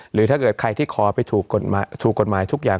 หรือถ้าเกิดใครที่ขอไปถูกกฎหมายทุกอย่าง